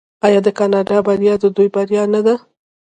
آیا د کاناډا بریا د دوی بریا نه ده؟